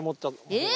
え？